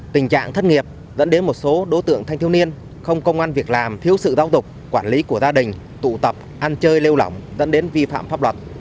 tình trạng thất nghiệp dẫn đến một số đối tượng thanh thiếu niên không công an việc làm thiếu sự giáo dục quản lý của gia đình tụ tập ăn chơi lêu lỏng dẫn đến vi phạm pháp luật